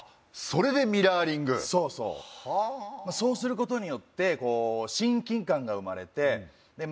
それでミラーリングそうそうはあそうすることによってこう親近感が生まれてで